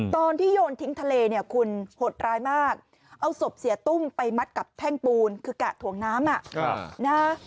ตอนที่โยนทิ้งทะเลคุณหดร้ายมากเอาสบเสียตุ้มไปมัดกับแพ่งปูนคือกะถวงน้ำ